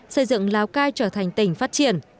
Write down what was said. xây dựng lào cai trở thành tỉnh phát triển